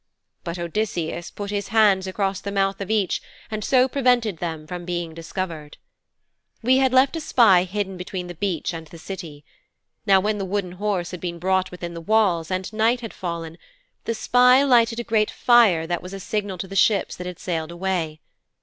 But Odysseus put his hands across the mouth of each and so prevented them from being discovered.' 'We had left a spy hidden between the beach and the city. Now when the Wooden Horse had been brought within the walls and night had fallen, the spy lighted a great fire that was signal to the ships that had sailed away.